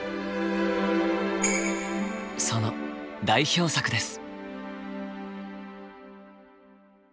その代表作です。